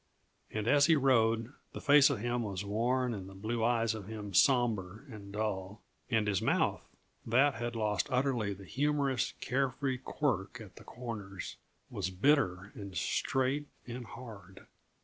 And as he rode, the face of him was worn and the blue eyes of him sombre and dull; and his mouth, that had lost utterly the humorous, care free quirk at the corners, was bitter, and straight, and hard.